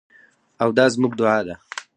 او دا زموږ دعا ده.